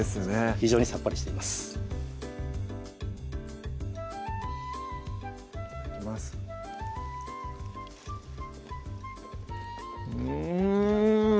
非常にさっぱりしていますいきますうん！